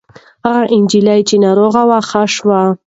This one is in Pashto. هغه نجلۍ چې ناروغه وه ښه شوه.